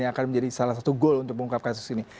yang akan menjadi salah satu goal untuk mengungkap kasus ini